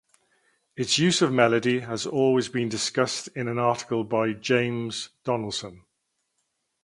Its use of melody has also been discussed in an article by James Donaldson.